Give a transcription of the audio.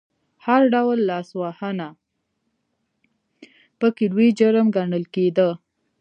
هر ډول لاسوهنه پکې لوی جرم ګڼل کېده.